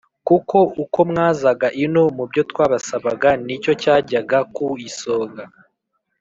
kuko uko mwazaga ino, mu byo twabasabaga nicyo cyajyaga kuisonga,